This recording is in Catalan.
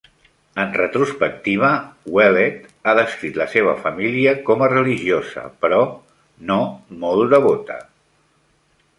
En retrospectiva, Ouellet ha descrit la seva família com a religiosa però no molt devota.